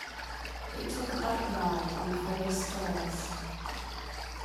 They took a bike ride on the forest trails.